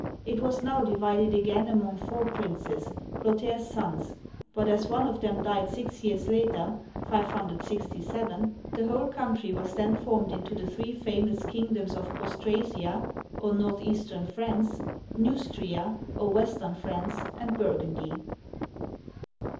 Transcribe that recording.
It was now divided again among four princes, Clotaire' s sons, but as one of them died six years later (567), the whole country was then formed into the three famous kingdoms of Austra'sia, or Northeastern France, Neus'tria, or West ern France, and Burgundy.